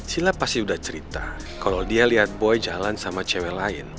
sila pasti udah cerita kalau dia lihat boy jalan sama cewek lain